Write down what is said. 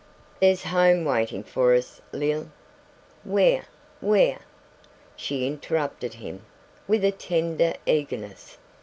There's home waiting for us, Lil " "Where? Where?" she interrupted him, with a tender eagerness.